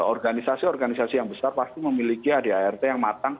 organisasi organisasi yang besar pasti memiliki adart yang matang